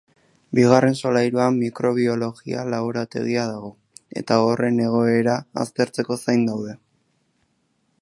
Bigarren solairuan mikrobiologia-laborategia dago, eta horren egoera aztertzeko zain daude.